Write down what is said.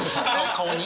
顔に？